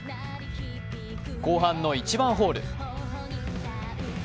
後半の１番ホール。